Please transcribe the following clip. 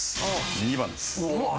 ２番です。